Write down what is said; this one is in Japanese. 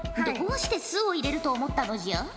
どうして酢を入れると思ったのじゃ？